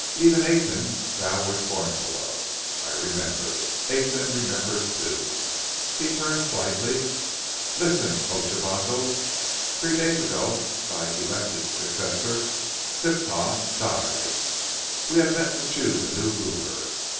Even Aten thou were scornful of, I remember. Aten remembers too!" He turned slightly. "Listen, O Shabako. Three days ago thy elected successor, Siptah, died. We had met to choose a new ruler.